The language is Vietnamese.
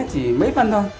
chỉ mấy phân thôi